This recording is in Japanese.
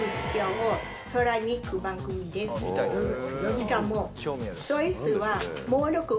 しかも。